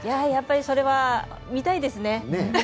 やっぱり、それは見たいですね。